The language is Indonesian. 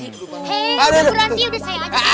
he ibu ranti udah saya ajak